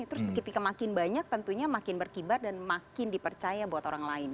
terus ketika makin banyak tentunya makin berkibar dan makin dipercaya buat orang lain